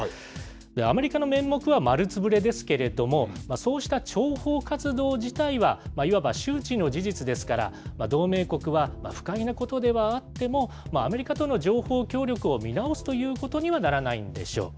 アメリカの面目は丸つぶれですけれども、そうした諜報活動自体は、いわば周知の事実ですから、同盟国は不快なことではあっても、アメリカとの情報協力を見直すということにはならないんでしょう。